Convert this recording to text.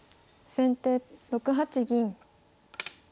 先手６七銀。